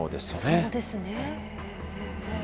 そうですね。